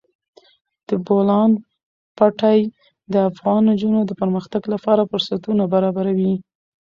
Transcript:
د بولان پټي د افغان نجونو د پرمختګ لپاره فرصتونه برابروي.